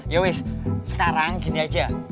yoes sekarang gini aja